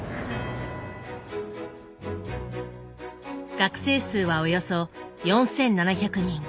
学生数はおよそ４，７００人。